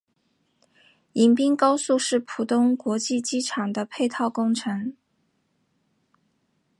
迎宾高速是浦东国际机场的配套工程。